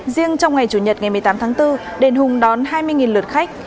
riêng trong ngày chủ nhật ngày một mươi tám tháng bốn đền hùng đón hai mươi lượt khách